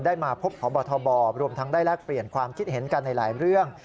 มาพบพบทบรวมทั้งได้แลกเปลี่ยนความคิดเห็นกันในหลายเรื่อง